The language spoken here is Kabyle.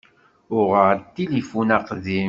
Uɣeɣ-d tilifun aqdim.